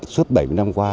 suốt bảy mươi năm qua